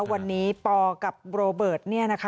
วันนี้ปกับโบรเบิร์ต